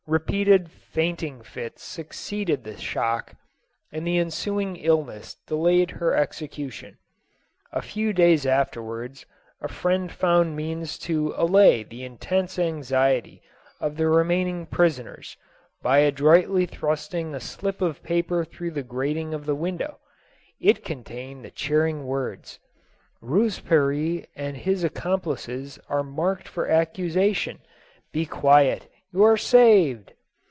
Repeated fainting fits suc ceeded the shock, and the ensuing illness delayed her execution. A few days afterwards, a friend found means to allay the intense anxiety of the remaining pris oners, by adroitly thrusting a slip of paper through "the grating of the window ; it contained the cheering words —" Robesperrie and his accomplices are marked for accusation; — be quiet — you are saved